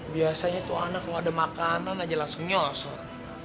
biasanya tuh anak lo ada makanan aja langsung nyosor